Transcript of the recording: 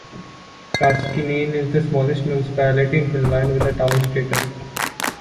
Kaskinen is the smallest municipality in Finland with a town status.